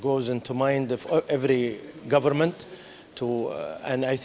dan saya pikir masalah nomor satu adalah